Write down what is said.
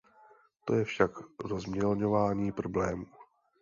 To je však rozmělňování problému.